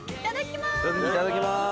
いただきます。